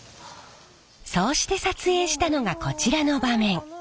そうして撮影したのがこちらの場面。